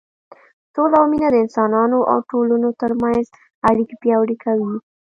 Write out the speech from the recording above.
سوله او مینه د انسانانو او ټولنو تر منځ اړیکې پیاوړې کوي.